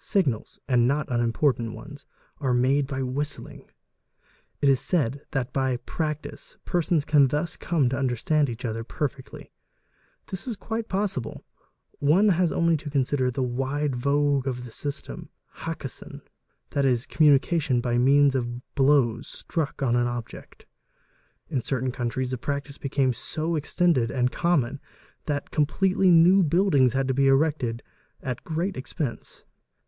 Signals, and not unimportant ones, are made by whistling : it is said that by practice persons can thus come to understand each other | perfectly. This is quite possible: one has only to consider the wide vogue of the system '' Hakesen," that is, communication by the means of blows _ struck on an object. In certain countries the practice became so extended and common that completely new buildings had to be erected at great expense.